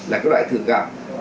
là cái loại thượng gặp